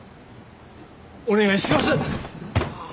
お願いします！